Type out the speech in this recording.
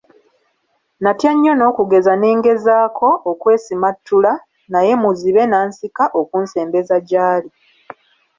Natya nnyo n'okugeza ne ngezaako okwesimattula; naye muzibe n'ansika okunsembeza gy'ali.